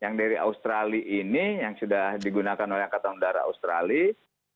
yang dari australia ini yang sudah digunakan oleh angkatan udara australia